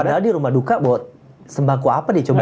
padahal di rumah duka buat sembako apa dicoba